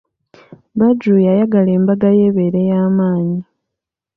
Badru yayagala embaga ye ebeere ya maanyi.